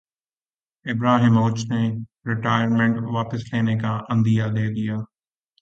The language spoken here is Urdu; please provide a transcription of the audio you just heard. ابراہیمووچ نے ریٹائرمنٹ واپس لینے کا عندیہ دیدیا